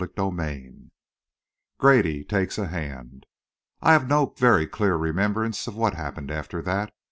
CHAPTER V GRADY TAKES A HAND I have no very clear remembrance of what happened after that.